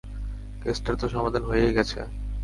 কেসটার তো সমাধান হয়েই গেছে।